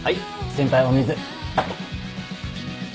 先輩お水。